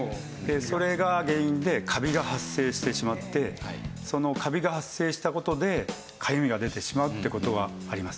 それが原因でカビが発生してしまってカビが発生した事でかゆみが出てしまうって事はあります。